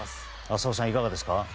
浅尾さん、いかがですか？